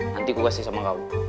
nanti gue kasih sama kamu